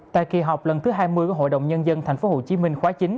tại kỳ họp lần thứ hai mươi của hội đồng nhân dân tp hcm khóa chín